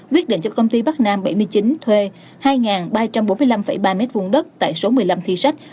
quyết định cho công ty bắc nam bảy mươi chín thuê hai ba trăm bốn mươi năm ba m hai đất tại số một mươi năm thi sách